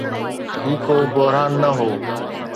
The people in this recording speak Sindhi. هي ڪو بحران نه هو.